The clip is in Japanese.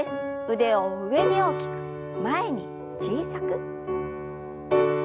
腕を上に大きく前に小さく。